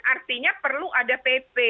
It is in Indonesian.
artinya perlu ada pp